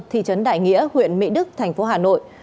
thị trấn đại nghĩa huyện mỹ đức thành phố hà nội